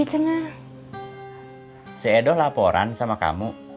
cedoh laporan sama kamu